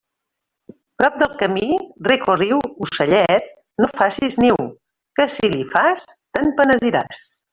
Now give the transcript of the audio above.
Prop de camí, rec o riu, ocellet, no hi faces niu, que si l'hi fas, te'n penediràs.